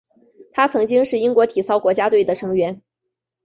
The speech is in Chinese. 他曾经是英国体操国家队的成员。